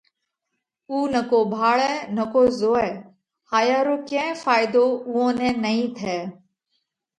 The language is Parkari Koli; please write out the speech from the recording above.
اُو نڪو ڀاۯئہ نڪو زوئہ، هايا رو ڪئين ڦائيڌو اُوئون نئہ نئين ٿئہ۔